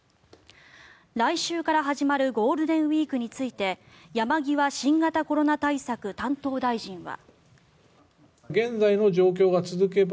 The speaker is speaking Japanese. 来週から始まるゴールデンウィークについて山際新型コロナ対策担当大臣は。